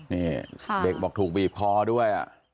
นี่เด็กบอกถูกบีบคอด้วย